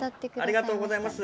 ありがとうございます。